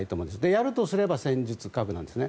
やるとすれば、戦術核です。